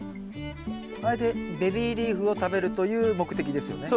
あえてベビーリーフを食べるという目的ですよね。